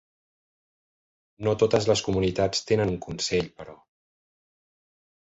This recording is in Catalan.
No totes les comunitats tenen un consell, però.